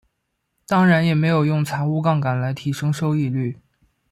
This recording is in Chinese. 当然也没有用财务杠杆来提升收益率。